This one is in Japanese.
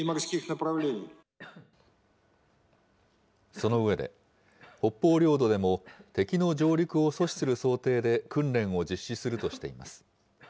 その上で、北方領土でも敵の上陸を阻止する想定で訓練を実施するとしています。